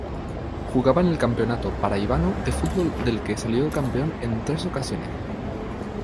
Jugaba en el Campeonato Paraibano de Fútbol del que salió campeón es tres ocasiones.